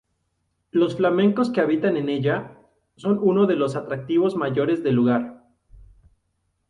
Los flamencos que habitan en ella son uno de los atractivos mayores del lugar.